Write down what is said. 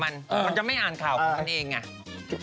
มันจะไม่อ่านข่าวกับนายเอง